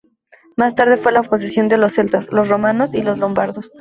Más tarde fue la posesión de los celtas, los romanos y los lombardos.